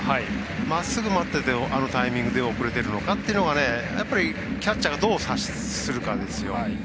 まっすぐ待っててあのタイミングで振り遅れてるのかやっぱり、キャッチャーがどう察するかですよ。